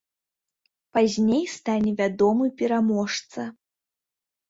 Пазней стане вядомы пераможца.